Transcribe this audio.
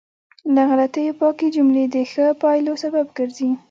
له غلطیو پاکې جملې د ښه پایلو سبب ګرځي.